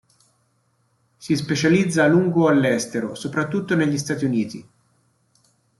Si specializza a lungo all'estero, soprattutto negli Stati Uniti.